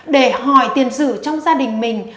để hỏi tiền sử trong gia đình mình